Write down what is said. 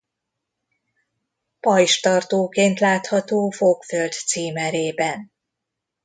Pajzstartóként látható Fokföld címerében.